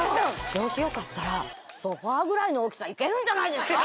調子よかったら、ソファぐらいの大きさいけるんじゃないですか。